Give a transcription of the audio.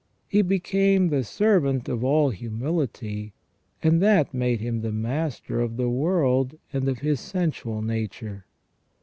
He became the servant of all humility, and that made him the master of the world ^nd of his sensual nature.